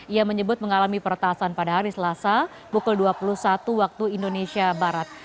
ia menyebut mengalami peretasan pada hari selasa pukul dua puluh satu waktu indonesia barat